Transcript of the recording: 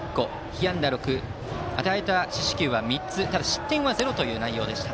被安打６、与えた四死球は３つただ、失点はゼロという内容。